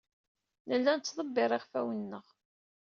Nella nettḍebbir iɣfawen-nneɣ.